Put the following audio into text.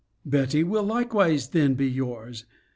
Betty will likewise then be yours.